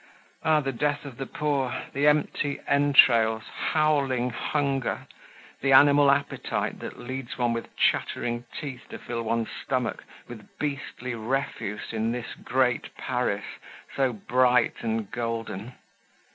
Ah! the death of the poor, the empty entrails, howling hunger, the animal appetite that leads one with chattering teeth to fill one's stomach with beastly refuse in this great Paris, so bright and golden!